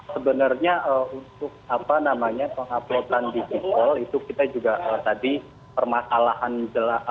sebenarnya untuk apa namanya penguploadan di sipol itu kita juga tadi permasalahan secara detailnya